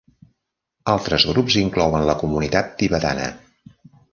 Altres grups inclouen la comunitat tibetana.